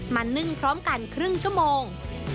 นึ่งพร้อมกันครึ่งชั่วโมง